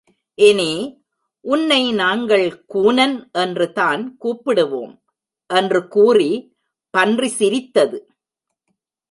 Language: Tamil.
இனி, உன்னை நாங்கள் கூனன் என்று தான் கூப்பிடுவோம். என்று கூறி பன்றி சிரித்தது.